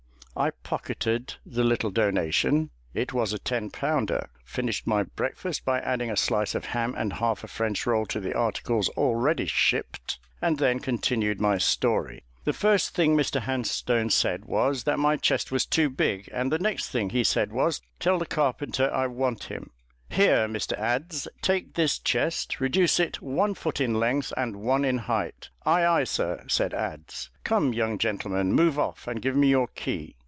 I pocketed the little donation it was a ten pounder; finished my breakfast, by adding a slice of ham and half a French roll to the articles already shipped, and then continued my story. "The first thing Mr Handstone said, was, that my chest was too big; and the next thing he said, was, 'tell the carpenter I want him. Here, Mr Adze, take this chest; reduce it one foot in length, and one in height.' 'Ay, ay, sir,' said Adze; 'come, young gentleman, move off, and give me your key.'